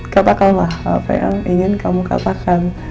katakanlah apa yang ingin kamu katakan